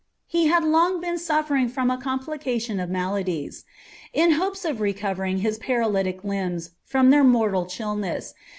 He had long tien <^ fering from a complication of maladies. In lopes of recoverBf ka paralytic limbs from their mortal cbillness.